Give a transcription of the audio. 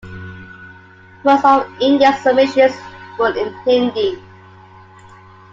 Most of India's submissions were in Hindi.